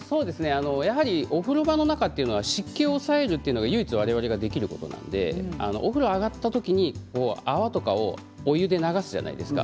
やはりお風呂場の中は湿気を抑えるというのが唯一我々ができることなのでお風呂、上がった時に泡とかをお湯で流すじゃないですか。